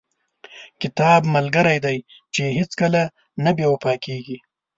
• کتاب ملګری دی چې هیڅکله نه بې وفا کېږي.